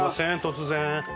突然。